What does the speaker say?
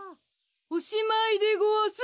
おしまいでごわす。